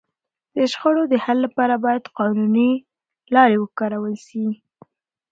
د شخړو د حل لپاره باید قانوني لاري وکارول سي.